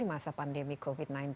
masa pandemi covid sembilan belas